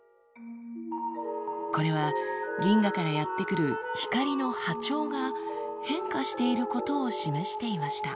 これは銀河からやって来る光の波長が変化していることを示していました。